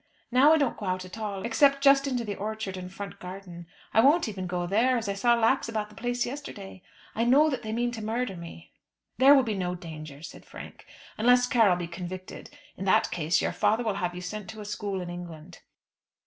Now I don't go out at all, except just into the orchard and front garden. I won't go even there, as I saw Lax about the place yesterday. I know that they mean to murder me." "There will be no danger," said Frank, "unless Carroll be convicted. In that case your father will have you sent to a school in England."